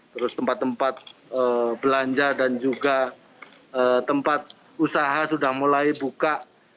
terus tempat tempat belanja dan juga tempat usaha sudah mulai buka